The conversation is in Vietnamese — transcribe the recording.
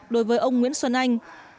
đối với ông nguyễn xuân anh